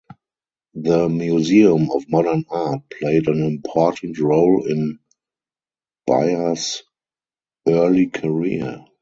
The Museum of Modern Art played an important role in Byars's early career.